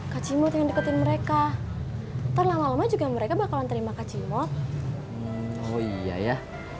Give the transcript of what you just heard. kacimu tinggal deketin mereka ntar lama lama juga mereka bakalan terima kacimu oh iya ya